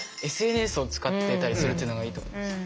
ＳＮＳを使ってたりするっていうのがいいと思いました。